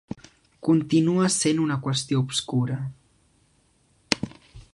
Continua sent una qüestió obscura...